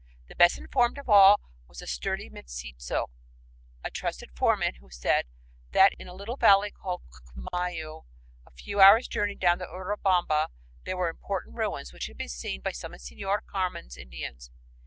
The best informed of all was a sturdy mestizo, a trusted foreman, who said that in a little valley called Ccllumayu, a few hours' journey down the Urubamba, there were "important ruins" which had been seen by some of Señora Carmen's Indians.